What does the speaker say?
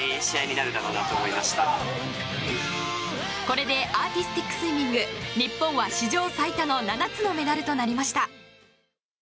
これでアーティスティックスイミング日本は史上最多の７つのメダルとなりました。